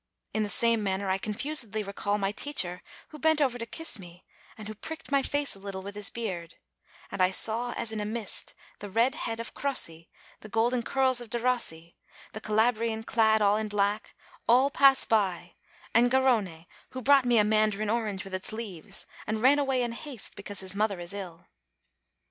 In the same manner I confusedly recall my teacher, who bent over to kiss me, and who pricked my face a little with his beard; and I saw, as in a mist, the red head of Crossi, the golden curls of Derossi, the Cala brian clad in black, all pass by, and Garrone, who brought me a mandarin orange with its leaves, and ran away in haste because his mother is ill.